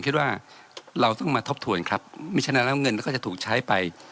คิดว่าเราต้องมาทบทวนครับไม่ฉะนั้นแล้วเงินก็จะถูกใช้ไป